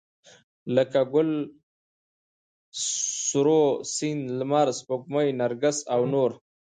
لکه ګل، سروه، سيند، لمر، سپوږمۍ، نرګس او نور